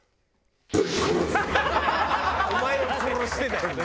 「お前を殺して」だよね。